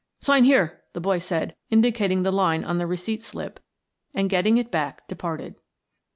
"Sign here," the boy said, indicating the line on the receipt slip, and getting it back, departed.